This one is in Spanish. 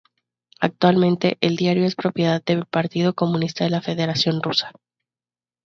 Actualmente, el diario es propiedad del Partido Comunista de la Federación Rusa.